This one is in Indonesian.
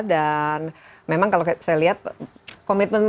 dan memang kalau saya lihat